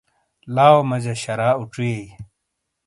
لاؤ مَجہ شَرَا اُڇِئیی۔